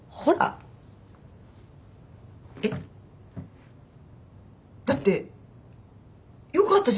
えっ？だってよかったじゃない？